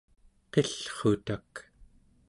qillrutak